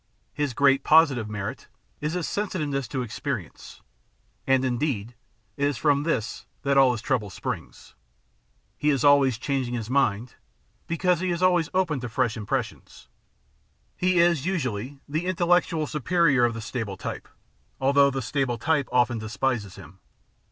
His great positive merit is his sensitiveness to experience, and, indeed, it is from this that all his trouble springs. He is always changing his mind because he is always open to fresh impressions. He is, usually, the intellectual superior of the stable type, although the stable type often despises him.